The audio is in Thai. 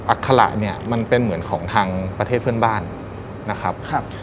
อคละเนี่ยมันเป็นเหมือนของทางประเทศเพื่อนบ้านนะครับ